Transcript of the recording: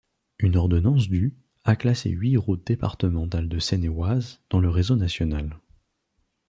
Une ordonnance du a classé huit routes départementales de Seine-et-Oise dans le réseau national.